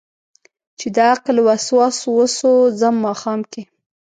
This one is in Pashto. چې دعقل وسواس وسو ځم ماښام کې